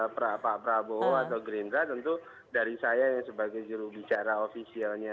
pak prabowo atau gerindra tentu dari saya sebagai jurubicara ofisialnya